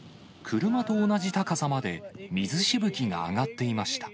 車と同じ高さまで、水しぶきが上がっていました。